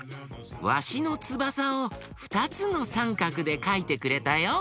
ワシのつばさをふたつのサンカクでかいてくれたよ。